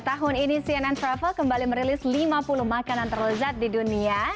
tahun ini cnn travel kembali merilis lima puluh makanan terlezat di dunia